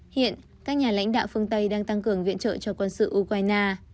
hiện các nhà lãnh đạo phương tây đang tăng cường viện trợ cho quân sự ukraine